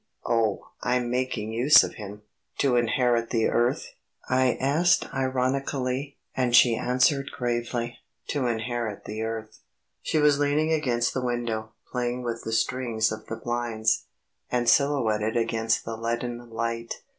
Oh, I'm making use of him." "To inherit the earth?" I asked ironically, and she answered gravely: "To inherit the earth." She was leaning against the window, playing with the strings of the blinds, and silhouetted against the leaden light.